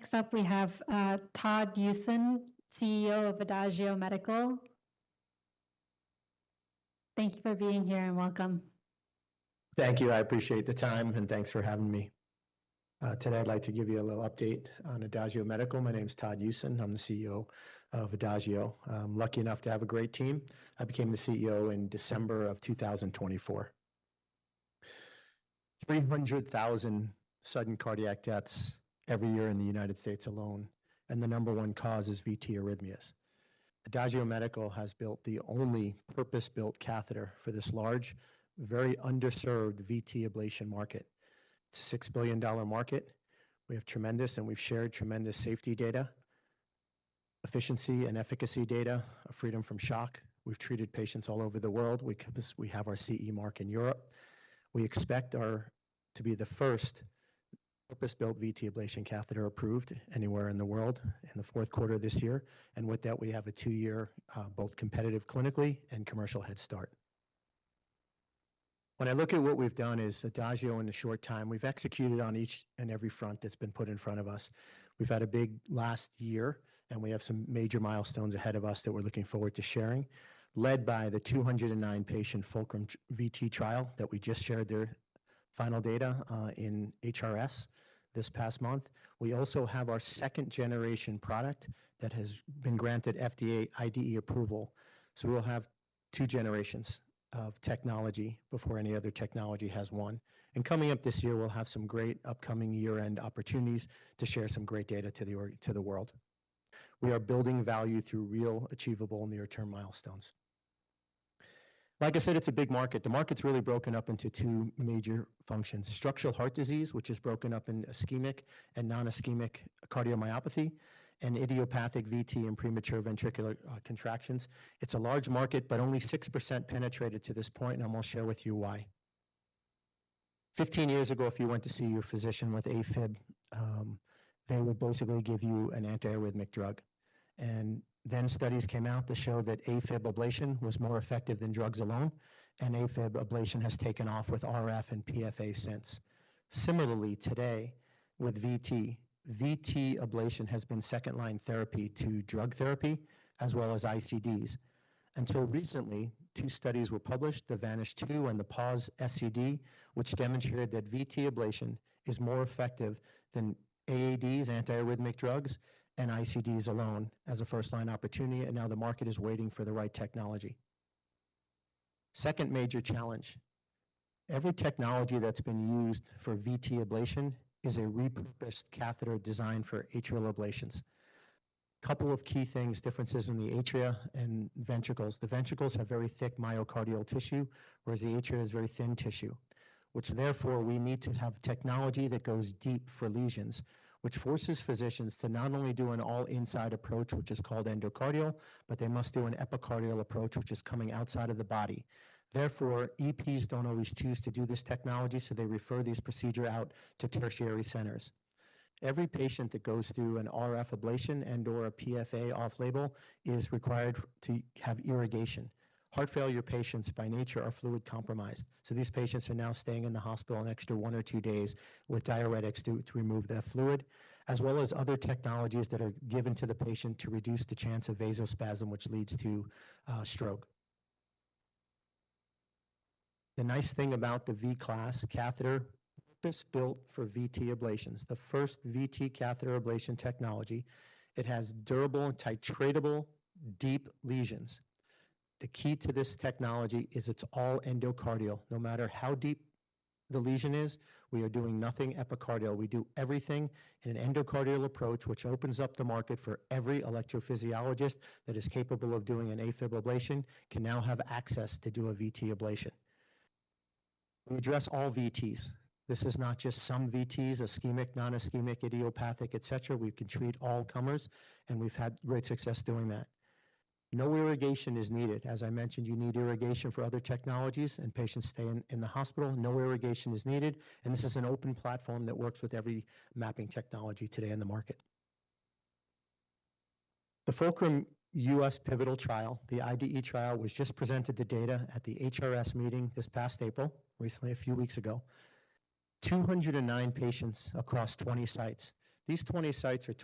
Next up, we have Todd Usen, CEO of Adagio Medical. Thank you for being here, and welcome. Thank you. I appreciate the time, and thanks for having me. Today, I'd like to give you a little update on Adagio Medical. My name's Todd Usen. I'm the CEO of Adagio. I'm lucky enough to have a great team. I became the CEO in December of 2024. 300,000 sudden cardiac deaths every year in the U.S. alone. The number one cause is VT arrhythmias. Adagio Medical has built the only purpose-built catheter for this large, very underserved VT ablation market. It's a $6 billion market. We've shared tremendous safety data, efficiency, and efficacy data of freedom from shock. We've treated patients all over the world. We have our CE mark in Europe. We expect to be the first purpose-built VT ablation catheter approved anywhere in the world in the fourth quarter of this year. With that, we have a two-year both competitive clinically and commercial headstart. When I look at what we've done as Adagio in a short time, we've executed on each and every front that's been put in front of us. We've had a big last year. We have some major milestones ahead of us that we're looking forward to sharing, led by the 209-patient FULCRUM-VT trial, that we just shared their final data in HRS this past month. We also have our second-generation product that has been granted FDA IDE approval. We'll have two generations of technology before any other technology has one. Coming up this year, we'll have some great upcoming year-end opportunities to share some great data to the world. We are building value through real, achievable, near-term milestones. Like I said, it's a big market. The market's really broken up into two major functions: structural heart disease, which is broken up into ischemic and non-ischemic cardiomyopathy, and idiopathic VT and premature ventricular contractions. It's a large market, but only 6% penetrated to this point. I'm going to share with you why. 15 years ago, if you went to see your physician with AFib, they would basically give you an antiarrhythmic drug. Studies came out that showed that AFib ablation was more effective than drugs alone, and AFib ablation has taken off with RF and PFA since. Similarly, today, with VT. VT ablation has been second-line therapy to drug therapy as well as ICDs. Until recently, two studies were published, the VANISH2 and the PAUSE-SCD, which demonstrated that VT ablation is more effective than AADs, antiarrhythmic drugs, and ICDs alone as a first-line opportunity. Now the market is waiting for the right technology. Second major challenge. Every technology that's been used for VT ablation is a repurposed catheter designed for atrial ablations. Couple of key things, differences in the atria and ventricles. The ventricles have very thick myocardial tissue, whereas the atria is very thin tissue. Therefore, we need to have technology that goes deep for lesions, which forces physicians to not only do an all-inside approach, which is called endocardial, but they must do an epicardial approach, which is coming outside of the body. EPs don't always choose to do this technology, they refer this procedure out to tertiary centers. Every patient that goes through an RF ablation and/or a PFA off-label is required to have irrigation. Heart failure patients, by nature, are fluid compromised. These patients are now staying in the hospital an extra one or two days with diuretics to remove that fluid, as well as other technologies that are given to the patient to reduce the chance of vasospasm, which leads to stroke. The nice thing about the vCLAS catheter purpose-built for VT ablations, the first VT catheter ablation technology, it has durable and titratable deep lesions. The key to this technology is it's all endocardial. No matter how deep the lesion is, we are doing nothing epicardial. We do everything in an endocardial approach, which opens up the market for every electrophysiologist that is capable of doing an AFib ablation can now have access to do a VT ablation. We address all VTs. This is not just some VTs, ischemic, non-ischemic, idiopathic, et cetera. We've had great success doing that. No irrigation is needed. As I mentioned, you need irrigation for other technologies, Patients stay in the hospital. No irrigation is needed, this is an open platform that works with every mapping technology today on the market. The FULCRUM-VT pivotal trial, the IDE trial, was just presented the data at the HRS meeting this past April, recently, a few weeks ago. 209 patients across 20 sites. These 20 sites are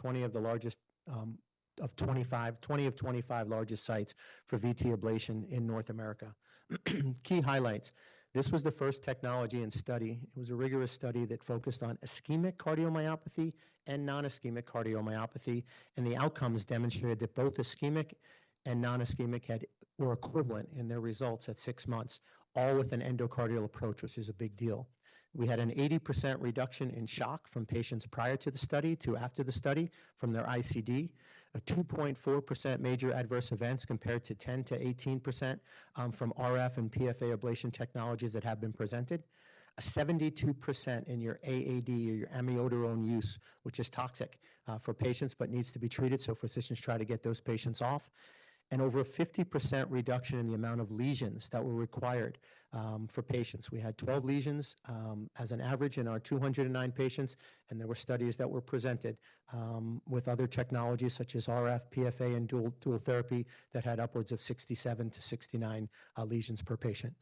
20 of 25 largest sites for VT ablation in North America. Key highlights. This was the first technology and study. It was a rigorous study that focused on ischemic cardiomyopathy and non-ischemic cardiomyopathy. The outcomes demonstrated that both ischemic and non-ischemic were equivalent in their results at six months, all with an endocardial approach, which is a big deal. We had an 80% reduction in shock from patients prior to the study to after the study from their ICD. A 2.4% major adverse events compared to 10%-18% from RF and PFA ablation technologies that have been presented. A 72% in your AAD or your amiodarone use, which is toxic for patients but needs to be treated, so physicians try to get those patients off. Over a 50% reduction in the amount of lesions that were required for patients. We had 12 lesions as an average in our 209 patients. There were studies that were presented with other technologies such as RF, PFA, and dual therapy that had upwards of 67-69 lesions per patient.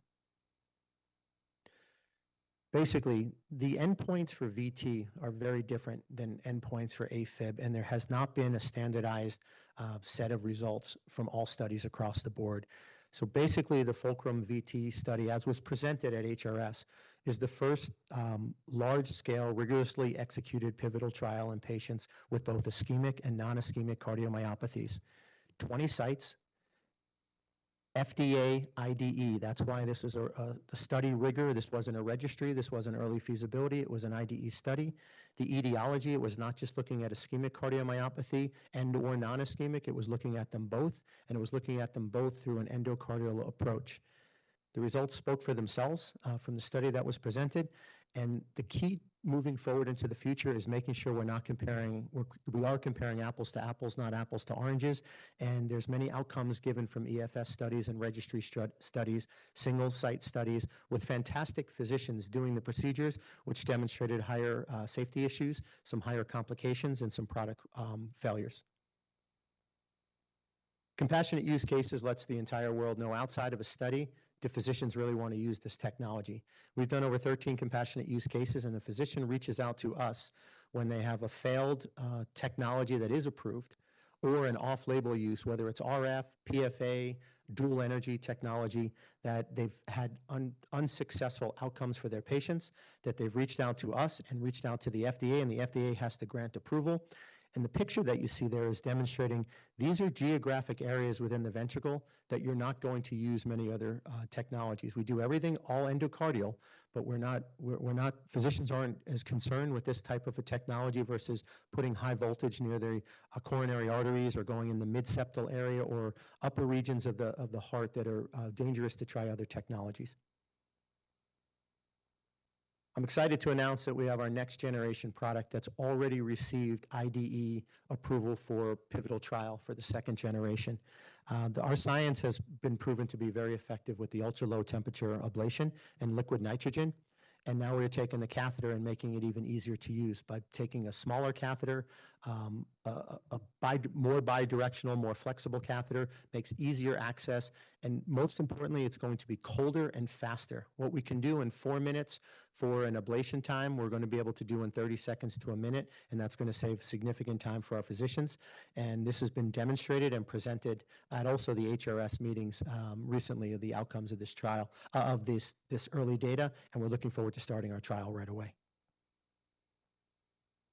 The endpoints for VT are very different than endpoints for AFib, and there has not been a standardized set of results from all studies across the board. The FULCRUM-VT study, as was presented at HRS, is the first large-scale, rigorously executed pivotal trial in patients with both ischemic and non-ischemic cardiomyopathies. 20 sites, FDA IDE, that is why this was a study rigor. This was not a registry, this was not early feasibility, it was an IDE study. The etiology, it was not just looking at ischemic cardiomyopathy and/or non-ischemic. It was looking at them both, and it was looking at them both through an endocardial approach. The results spoke for themselves from the study that was presented, and the key moving forward into the future is making sure we are comparing apples to apples, not apples to oranges. There are many outcomes given from EFS studies and registry studies, single-site studies with fantastic physicians doing the procedures, which demonstrated higher safety issues, some higher complications, and some product failures. Compassionate use cases lets the entire world know, outside of a study, do physicians really want to use this technology? We have done over 13 compassionate use cases, and the physician reaches out to us when they have a failed technology that is approved or an off-label use, whether it is RF, PFA, dual energy technology, that they have had unsuccessful outcomes for their patients, that they have reached out to us and reached out to the FDA, and the FDA has to grant approval. The picture that you see there is demonstrating these are geographic areas within the ventricle that you are not going to use many other technologies. We do everything all endocardial, but physicians are not as concerned with this type of a technology versus putting high voltage near the coronary arteries or going in the mid septal area or upper regions of the heart that are dangerous to try other technologies. I am excited to announce that we have our next-generation product that has already received IDE approval for pivotal trial for the second generation. Our science has been proven to be very effective with the ultra-low temperature ablation and liquid nitrogen, and now we are taking the catheter and making it even easier to use by taking a smaller catheter, a more bi-directional, more flexible catheter, makes easier access, and most importantly, it is going to be colder and faster. What we can do in four minutes for an ablation time, we are going to be able to do in 30 seconds to a minute, and that is going to save significant time for our physicians. This has been demonstrated and presented at also the HRS meetings recently of the outcomes of this early data, and we are looking forward to starting our trial right away.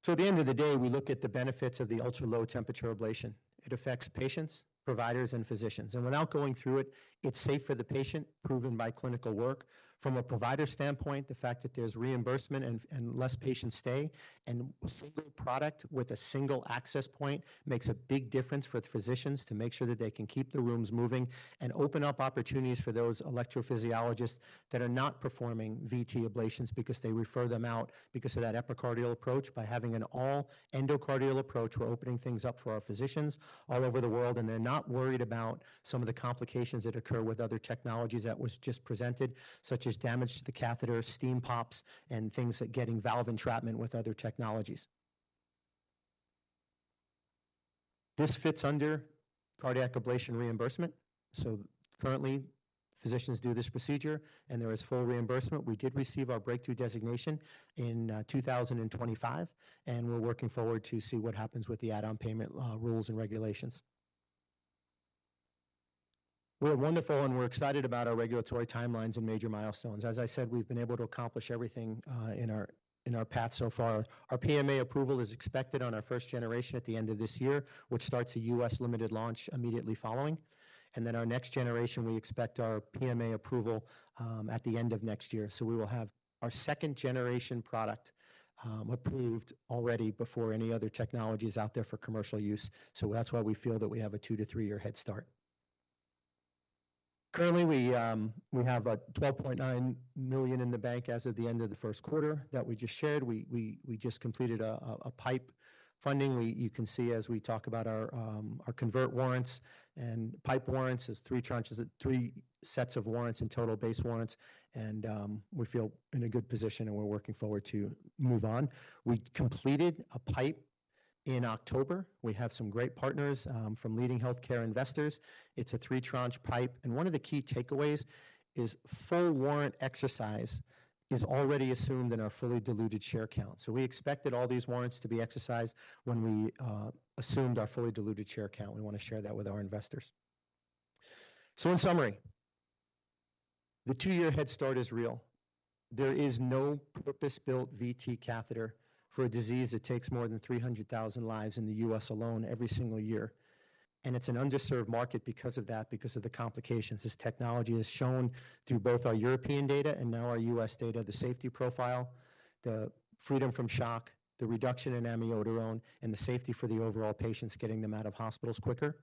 At the end of the day, we look at the benefits of the ultra-low temperature ablation. It affects patients, providers, and physicians. Without going through it is safe for the patient, proven by clinical work. From a provider standpoint, the fact that there's reimbursement and less patient stay, and a single product with a single access point makes a big difference for the physicians to make sure that they can keep the rooms moving and open up opportunities for those electrophysiologists that are not performing VT ablations because they refer them out because of that epicardial approach. By having an all endocardial approach, we're opening things up for our physicians all over the world, and they're not worried about some of the complications that occur with other technologies that was just presented, such as damage to the catheter, steam pops, and things like getting valve entrapment with other technologies. This fits under cardiac ablation reimbursement. Currently, physicians do this procedure, and there is full reimbursement. We did receive our Breakthrough Designation in 2025, and we're working forward to see what happens with the add-on payment rules and regulations. We're wonderful, and we're excited about our regulatory timelines and major milestones. As I said, we've been able to accomplish everything in our path so far. Our PMA approval is expected on our first generation at the end of this year, which starts a U.S. limited launch immediately following. Our next generation, we expect our PMA approval at the end of next year. We will have our second-generation product approved already before any other technology's out there for commercial use. That's why we feel that we have a two- to three-year head start. Currently, we have $12.9 million in the bank as of the end of the first quarter that we just shared. We just completed a PIPE funding. You can see as we talk about our Convert Warrants and PIPE Warrants. There's three sets of warrants and total base warrants, and we feel in a good position, and we're working forward to move on. We completed a PIPE in October. We have some great partners from leading healthcare investors. It's a three-tranche PIPE, and one of the key takeaways is full warrant exercise is already assumed in our fully diluted share count. We expected all these warrants to be exercised when we assumed our fully diluted share count. We want to share that with our investors. In summary, the two-year head start is real. There is no purpose-built VT catheter for a disease that takes more than 300,000 lives in the U.S. alone every single year, and it's an underserved market because of that, because of the complications. This technology has shown through both our European data and now our U.S. data, the safety profile, the freedom from shock, the reduction in amiodarone, and the safety for the overall patients getting them out of hospitals quicker.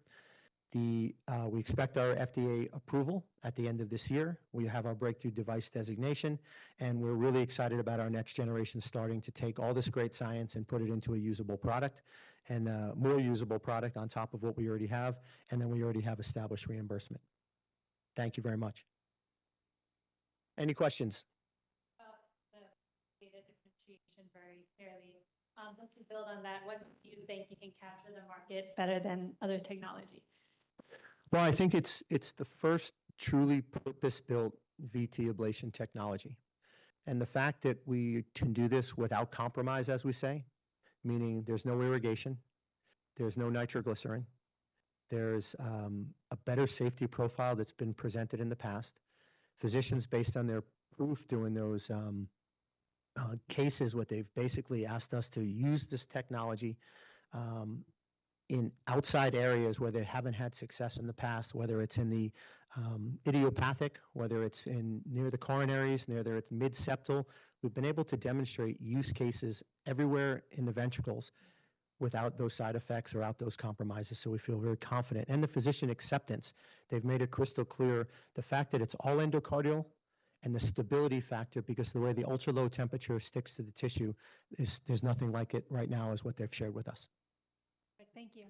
We expect our FDA approval at the end of this year. We have our Breakthrough Device Designation, and we're really excited about our next generation starting to take all this great science and put it into a more usable product on top of what we already have, and then we already have established reimbursement. Thank you very much. Any questions? About the data differentiation very clearly. Just to build on that, what do you think you can capture the market better than other technologies? Well, I think it's the first truly purpose-built VT ablation technology. The fact that we can do this without compromise, as we say, meaning there's no irrigation, there's no nitroglycerin. There's a better safety profile that's been presented in the past. Physicians, based on their proof during those cases, what they've basically asked us to use this technology in outside areas where they haven't had success in the past, whether it's in the idiopathic, whether it's near the coronaries, whether it's mid septal. We've been able to demonstrate use cases everywhere in the ventricles without those side effects or without those compromises, so we feel very confident. The physician acceptance, they've made it crystal clear. The fact that it's all endocardial and the stability factor because the way the ultra-low temperature sticks to the tissue, there's nothing like it right now is what they've shared with us. Right. Thank you.